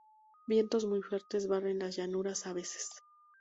Vientos muy fuertes barren las llanuras a veces.